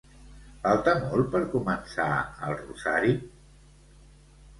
Falta molt per començar el rosari?